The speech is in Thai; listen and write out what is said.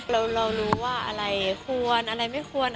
เรารู้ว่าอะไรควรอะไรไม่ควร